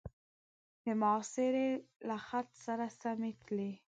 د محاصرې له خط سره سمې تلې.